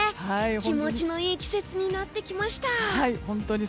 気持ちのいい季節になってきました！